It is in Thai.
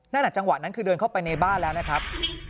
จังหวะนั้นคือเดินเข้าไปในบ้านแล้วนะครับ